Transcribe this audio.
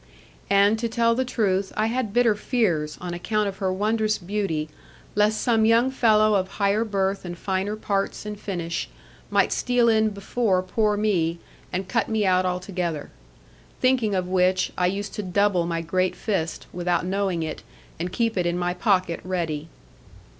And, to tell the truth, I had bitter fears, on account of her wondrous beauty, lest some young fellow of higher birth and finer parts, and finish, might steal in before poor me, and cut me out altogether. Thinking of which, I used to double my great fist, without knowing it, and keep it in my pocket ready.